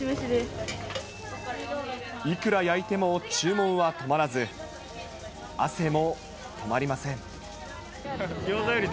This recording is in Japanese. いくら焼いても注文は止まらず、汗も止まりません。